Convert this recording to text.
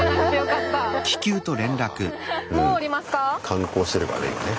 観光してるからね今ね。